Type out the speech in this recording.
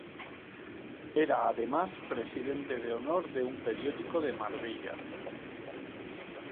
Era además presidente de honor de un periódico de Marbella.